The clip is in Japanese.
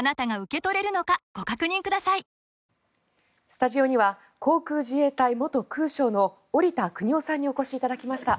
スタジオには航空自衛隊元空将の織田邦男さんにお越しいただきました。